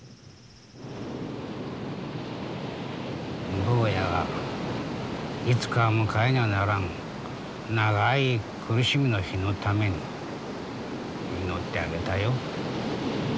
坊やがいつか迎えにゃならん長い苦しみの日のために祈ってあげたよ。